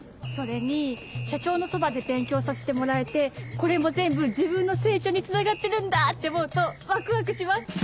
それに社長のそばで勉強させてもらえてこれも全部自分の成長につながってるんだって思うとワクワクします！